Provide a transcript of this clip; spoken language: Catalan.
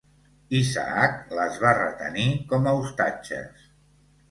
Isaac les va retenir com a ostatges.